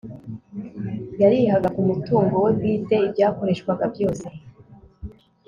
yarihaga ku mutungo we bwite ibyakoreshwaga byose